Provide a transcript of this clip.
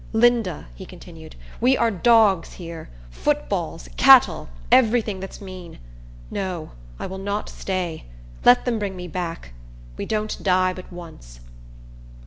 "Linda," he continued, "we are dogs here; foot balls, cattle, every thing that's mean. No, I will not stay. Let them bring me back. We don't die but once."